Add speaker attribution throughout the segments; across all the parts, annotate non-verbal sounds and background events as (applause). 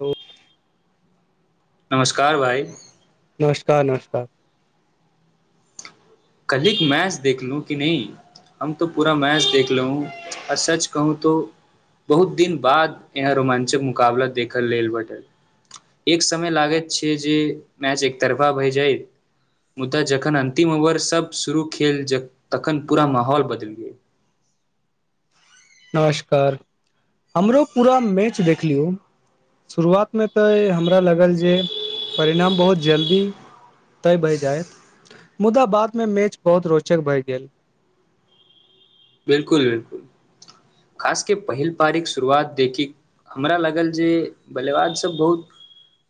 Speaker 1: ओ
Speaker 2: नमस्कार भाई
Speaker 1: नमस्कार नमस्कार
Speaker 2: काल्हि मैच देखलहु कि नहि हम तऽ पूरा मैच देखलहु आ सच कहू तऽ बहुत दिन बाद एहन रोमांचक मुकाबला देखए लेल भेटल एक समय लागैत छियै जे मैच एकतरफा भए जाएत मुदा जखन अन्तिम ओवर तब शुरू खेल जक तखन पूरा माहौल बदलि गेल
Speaker 1: नमस्कार हमरो पूरा मैच देखलिय शुरुआतमे तऽ हमरा लागल जे परिणाम बहुत जल्दी तय भए जाएत मुदा बादमे मैच बहुत रोचक भए गेल
Speaker 2: बिलकुल खासकेँ पहिल पारिक शुरुआत देखि कऽ हमरा लागल जे बल्लेबाज सभ बहुत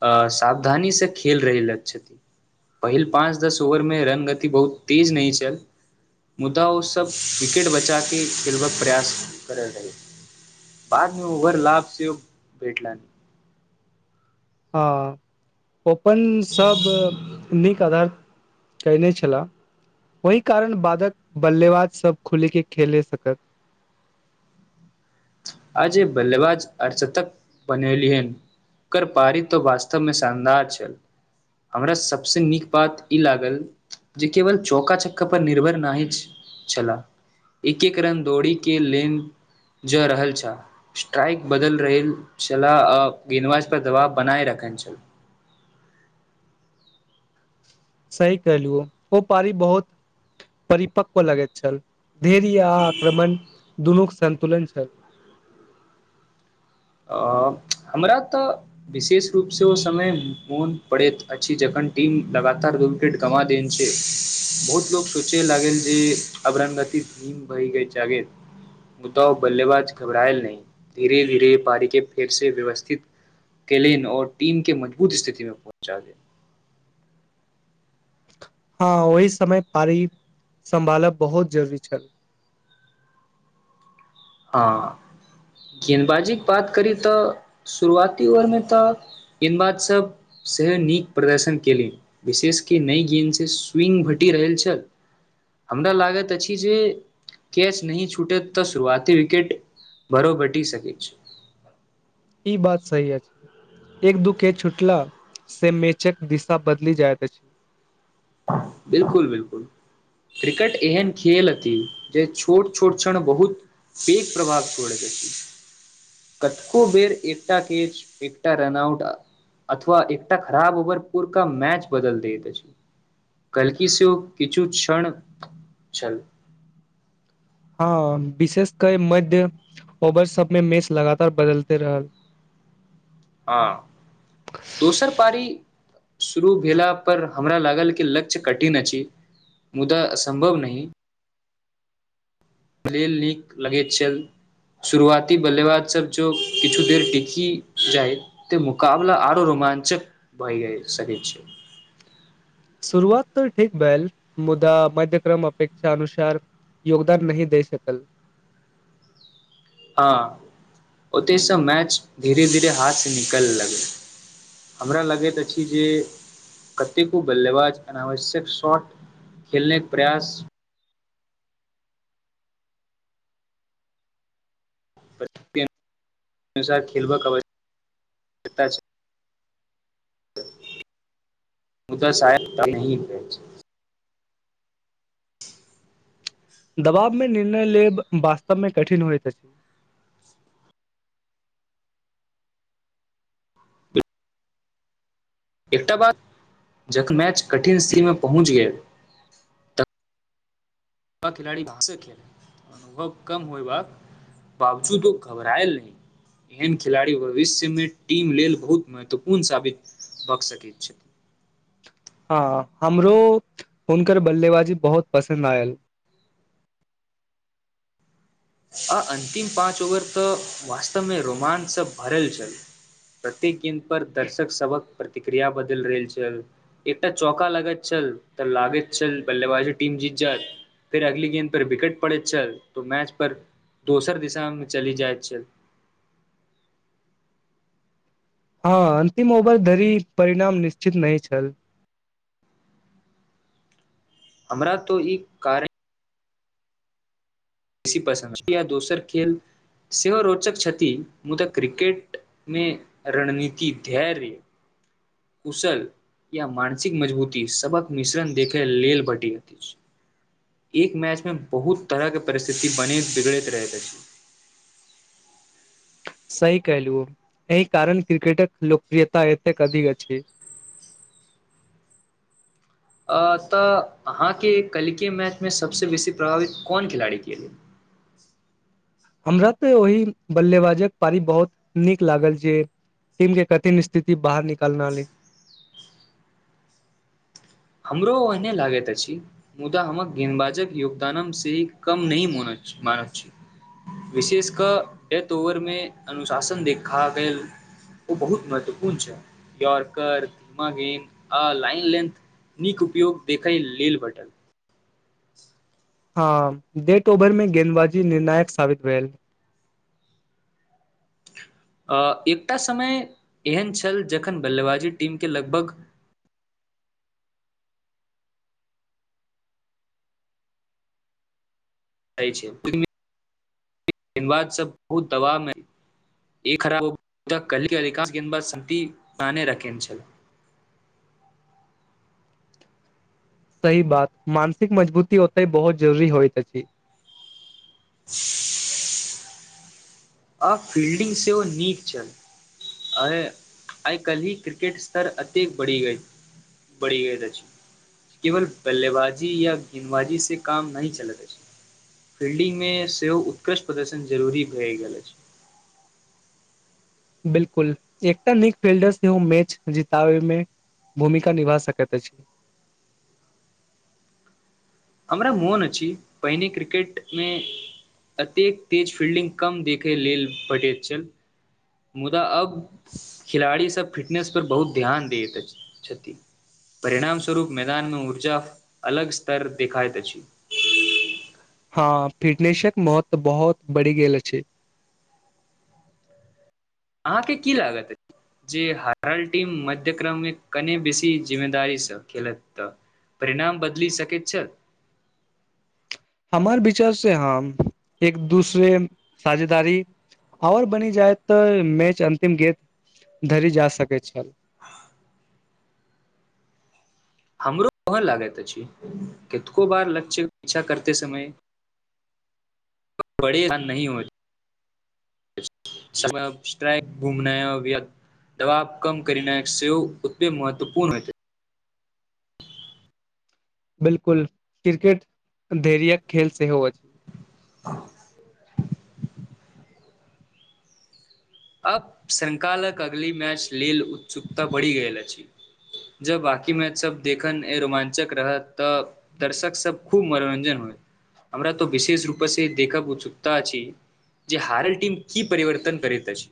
Speaker 2: असावधानी सँ खेल रहल छथि पहिल पाँच दस ओवरमे रनगति बहुत तेज नहि छल मुदा ओ सभ विकेट ब- चाकेँ खेलबाक प्रयास करैत रहल बादमे ओवर लाभ से भेटलन्हि।
Speaker 1: हँ ओपन सभ नीक आधार कयने छलाह ओहि कारण बादक बल्लेबाजसभ खुलि कऽ खेल सकल
Speaker 2: आय जे बल्लेबाज अर्धशतक बनेलिहन ओकर पारी तऽ वास्तवमे शानदार छल हमरा सभसँ नीक बात ई लागल जे केवल चौका चक्का पर निर्भर नहि छलाह एक एक रन दौड़ीकेँ लेन जा रहल छल स्ट्राइक बदल रहल छलाह आ गेंदबाज पर दबाब बनाय रखने छल।
Speaker 1: सही कहलिय ओ पारी बहुत परिपक्कव लगैत छल। धैर्य आक्रमण दुनूक सन्तुलन छल।
Speaker 2: आ हमरा तऽ विशेष रूपसँ ओ समय मोन पड़ैत अछि जखन टीम लगातार दू विकेट गवां देन छैल बहुत लोक सोचय लागल जे अब रनगति बढ़ि तऽ गेल मुदा बल्लेबाज घबरायल नहि धीरे-धीरे पारीकेँ फेरसँ व्यवस्थित केलैन आओर टीमकेँ मजबूत स्थितिमे पहुँचा देलनि
Speaker 1: हँ ओहि समय पारी सम्भालब बहुत जरूरी छल
Speaker 2: हँ गेदबाजीक बात करी तऽ शुरुआती ओवरमे तऽ गेदबाज सभ सेहो नीक प्रदर्शन केलक विशेष कि नहि गेन्दसँ स्विंग भेटि रहल छल हमरा लागैत अछि जे कैच नहि छूटैत तऽ शुरुआत विकेट भर घटि सकैत छल (unintelligible)
Speaker 1: ई बात सही अछि एक दू कैच छुटलासँ मैचक दिशा बदलि जाइत अछि
Speaker 2: बिलकुल बिलकुल क्रिकेट एहन खेेल अछि जे छोट छोट क्षण बहुत पैघ प्रभाव छोड़ैत अछि कतेको बेर एकटा कैच एकटा रनआउट अथवा एकटा खराब ओवर पूरका मैच बदलि दैत अछि। काल्हिकी सेहो किछु क्षण छल
Speaker 1: हँ विशेष कए मध्य ओवर सभमे मैच लगातार बदलिते रहल
Speaker 2: हँ दोसर पारी शुरू भेला पर हमरा लागल कि लक्ष्य कठिन अछि मुदा असम्भव नहि खेल नीक लगैत छल शुरुआती बल्लेबाज सभ जँ किछु देर टिकी जाइत तऽ मुकबला आरो रोमान्चक भए जाएत सकैत छल।
Speaker 1: शुरुआत तऽ ठीक भेल मुदा मध्यक्रम अपेक्षा अनुसार योगदान नहि दय सकल
Speaker 2: हँ ओतहिसँ मैच धीरे-धीरे हाथसँ निकलय लागल हमरा लगैत अछि जे कतेको बल्लेबाज अनावश्यक शॉट खेलनेक प्रयास के अनुसार खेलबाक आवश्यकता छल। मुदा शायक तहं पेच (unintelligible)
Speaker 1: दबाबमे निर्णय लेब वास्तवमे कठिन होइत अछि
Speaker 2: एकटा बाद जखन मैच कठिन स्थितिमे पहुँच गेल तऽ या खिलाड़ी भाँसँ खेलै अनुभव कम होयबाक बावजूदो घबराएल नहि एहन खिलाड़ी भविष्यमे टीम लेल बहुत महत्वपूर्ण साबित भ सकैत छथि
Speaker 1: हँ हमरो हुनकर बल्लेबाजी बहुत पसन्द आयल
Speaker 2: आ अन्तिम पाँच ओवर तऽ वास्तवमे रोमांचसँ भरल छल प्रत्येक गेन्द पर दर्शक सबक प्रतिक्रिया बदल रहल छल एकटा चौका लागैत छल तऽ लागैत छल बल्लेबाजे टीम जीत जाय फेर अगली गेन्द पर विकेट पड़ैत छल तो मैच पर दोसर दिशामे चली जाय चल
Speaker 1: हँ अंतिम ओवर धरि परिणाम निश्चित नहि छल
Speaker 2: हमरा तो ई कारण बेसी पसन्दिया दोसर खेल सेहो रोचक छथि मुदा क्रिकेट मे रणनीति धैर्य कुशल या मानसिक मजबूती सबक मिश्रण देखे ल भटी एक मैच मे बहुत तरह के परिस्थिति बने बिगड़ैत रह छी
Speaker 1: सही कहलहु एहि कारण क्रिकेटक लोकप्रियता एतेक अधिक अछि
Speaker 2: अ तऽ अहाँके कलके मैचमे सबसे बेसी प्रभावित कोन खेलाड़ी क
Speaker 1: हमरा तऽ ओहि बल्लेबाजक पारी बहुत नीक लागल जे टीम के कठिन स्थिति बाहर निकालनाले
Speaker 2: हमरो ओहने लागैत अछि मुदा हमक गेदबाजक योगदान से ही कम नहि मानैत छी विशेष कऽ डेथ ओवर मे अनुशासन देखा गेल ओ बहुत महत्वपूर्ण छै यर्कर धीमा गे आ लाइन लेंथ नीक उपयोग देखय लेल बटल
Speaker 1: हँ डेट ओभर में गेदबाजी निर्णायक साबित भेल
Speaker 2: अ एकटा समय एहन छल जखन बल्लेबाजी टीमके लगभग गेदबाजसभ बहुत दबावमे एकराब अधिकांश गेंदबाज शान्ति बाने रखने छल
Speaker 1: सही बात मानसिक मजबूती ओतय बहुत जरूरी होइत अछि
Speaker 2: (inaudible) आब फील्डिंग से ओ नीक चल आ आइ काल्हि ही क्रिकेट स्तर अतेक बढ़ि बढ़ि गइत अछि केवल बल्लेबाजी या गेन्दबाजी से काम नहि चलैत अछि फील्डिंग मे सेहो उत्कृष्ट प्रदर्शन जरूरी भए गेल अछि
Speaker 1: बिलकुल एकटा नीक फिल्डर सेहो ओ मैच जीताबैमे भूमिका निभा सकत अछि
Speaker 2: हमरा मोन अछि पहिने क्रिकेट मे एतेक तेज फील्डिंग कम देखै लेल भेटैत छल मुदा अब खेलाड़ीसभ फिटनेस पर बहुत ध्यान दैत छथि परिणाम स्वरूप मैदानमे ऊर्जा अलग स्तर देखायत अछि
Speaker 1: हँ फिटनेसक महत्व बहुत बढ़ि गेल छै
Speaker 2: अहाँके की लागत अछि जे हरल्ड टीम मध्यक्यक्रममे कने बेसी जिम्मेदारीसँ खेलत त परिणाम बदलि सकैत छथि
Speaker 1: हमर विचार से हम एक दूसरे साझेदारी आओर बनि जाय तऽ मैच अंतिम गेत धरि जा सकैत छल
Speaker 2: हमरो कहन लागैत अछि कितको बार लक्ष्य इच्छा करते समय बे हो स््राइक घुमना दबाब कम करना सेव उतपे महत्वपूर्ण हो छै
Speaker 1: बिलकुल क्रिकेट धैरय खेल सेहो अछि छै
Speaker 2: आ अब संकालक अगले मैच लेल उत्सुकता बढ़ि गेल अछि जब बकी मैच सब देखन रोमाञ्चक रहत तऽ दर्शक सब खूब मनोरंजन होए हमरा तो विशेष रूपे से देखक उत्सुकता अछि जे हारल टीम की परिवर्तन करैत अछि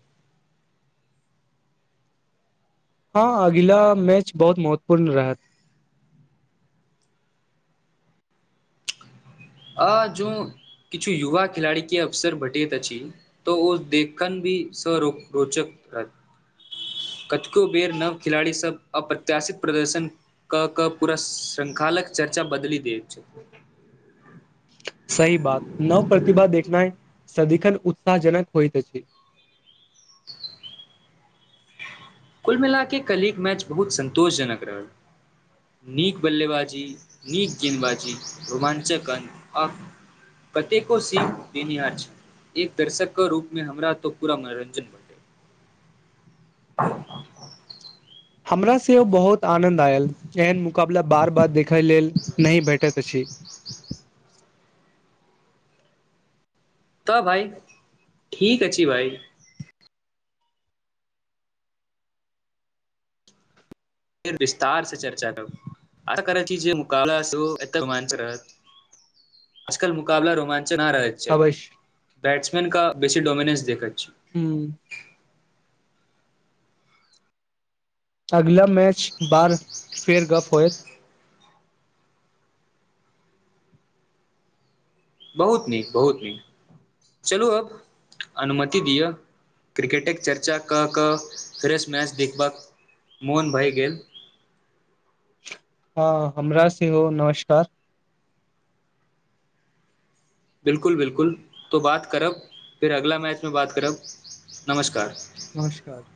Speaker 1: हँ अगिला मैच बहुत महत्वपूर्ण रहत
Speaker 2: आ जो किछु युवा खेलाड़ी के अवसर भेटैत अछि तऽ ओ देखन भी सो रोचक रहत कतेको बेर नव खेलाड़ी सब अप्रत्याशित प्रदर्शन क कऽ पूरा श्रृंखालक चर्चा बदलि दैत छथि
Speaker 1: सही बात नव प्रतिभा देखना है सदिखन उत्साह जननक होइत छै
Speaker 2: कुल मिलाके कलग मैच बहुत सन्तोषजनक रहल नीक बल्लेबाजी नीक गेदबाजी रोमा्चक अन्न आ कतेको सीन देनिहार छै एक दर्शकके रूपमे हमरा तऽ पूरा मनोरञ्जन भेटै (inaudible)
Speaker 1: हमरा सेहो बहुत आनंन्द आयल एहन मुकाबला बार बार देखै लेल नहि भेटत क छी
Speaker 2: तऽ भइ ठीक अछि भइ फेर विस्तार से चर्चा करू आ करै ची जे मुाबला एत रोमाच रहत आजकल मुकाबला रोमाच
Speaker 1: अवश्य
Speaker 2: (inaudible) क बेसीडोमिनंस देखत
Speaker 1: हू अगला मैच बार फेर गप होयत
Speaker 2: बहुत नीक बहुत नीक चलू आब अनुमति दिअ क्रिकेटके चर्चा कऽ कऽ फ्रेश मैच देखबाक मोन भए गेल
Speaker 1: हँ हमरा सेहो नमस्कार
Speaker 2: बिलकुल बिलकुल त बात करब फेर अगला मैच मे बात करब नमस्कार
Speaker 1: नमस्कार